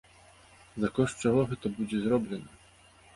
За кошт чаго гэта будзе зроблена?